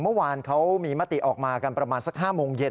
เมื่อวานเขามีมติออกมากันประมาณสัก๕โมงเย็น